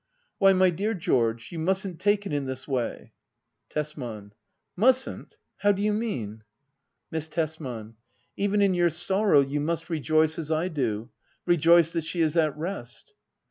Why, my dear George, you mustn't take it in this way. Tesman. Mustn't } How do you mean } Miss Tesman. Even in your sorrow you must rejoice, as I do — rejoice that she is at rest.